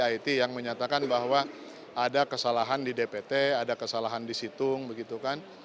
it yang menyatakan bahwa ada kesalahan di dpt ada kesalahan di situng begitu kan